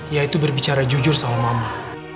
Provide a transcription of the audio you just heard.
yaitu berbicara jujur sama mama